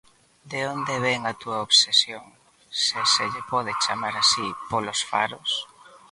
De onde vén a túa obsesión, se se lle pode chamar así, polos faros?